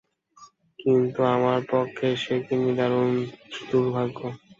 কিন্তু আমার পক্ষে সে কি নিদারুণ দুর্ভাগ্য।